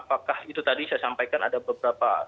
apakah itu tadi saya sampaikan ada beberapa